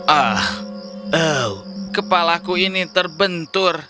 ah kepalaku ini terbentur